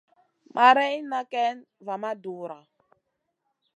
Marayna kayn va ma dura.